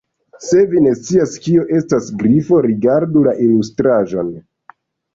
Se vi ne scias kio estas Grifo, rigardu la ilustraĵon.